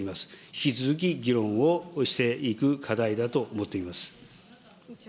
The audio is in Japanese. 引き続き議論をしていく課題だと思っています。